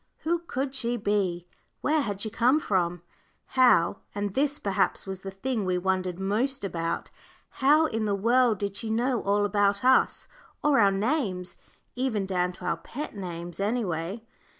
Who could she be? where had she come from? how and this, perhaps, was the thing we wondered most about how in the world did she know all about us, or our names, even down to our pet names, any way?